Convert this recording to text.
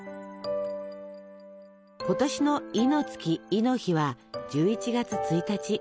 今年の亥の月亥の日は１１月１日。